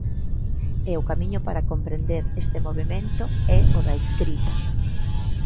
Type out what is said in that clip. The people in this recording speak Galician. E o camiño para comprender este movemento é o da escrita.